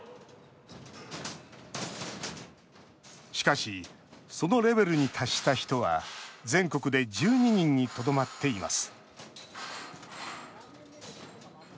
しかし、そのレベルに達した人は全国で１２人にとどまっています